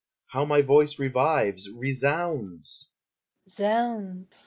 how my voice revives, resounds!